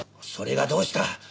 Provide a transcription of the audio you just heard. それがどうした？